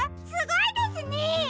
すごいですね！